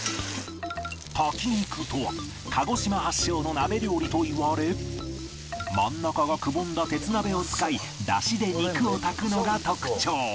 炊き肉とは鹿児島発祥の鍋料理といわれ真ん中がくぼんだ鉄鍋を使い出汁で肉を炊くのが特徴